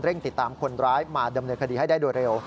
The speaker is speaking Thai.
ติดตามคนร้ายมาดำเนินคดีให้ได้โดยเร็ว